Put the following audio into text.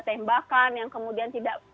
tembakan yang kemudian tidak